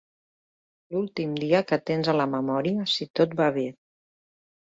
L'últim dia que tens a la memòria si tot va bé.